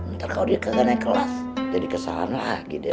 ntar kalau dia kaget naik kelas jadi kesalahan lagi deh